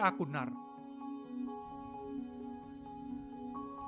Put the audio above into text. sakit dan laboratorium memiliki akun nar